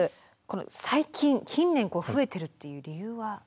最近近年増えてるっていう理由は？